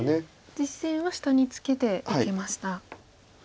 実戦は下にツケて受けました。